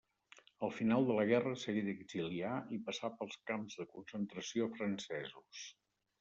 Al final de la guerra s'hagué d'exiliar i passà pels camps de concentració francesos.